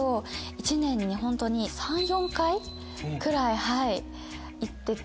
１年にホントに３４回くらい行ってて。